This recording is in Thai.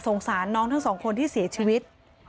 สงสารน้องทั้งสองคนที่เสียชีวิต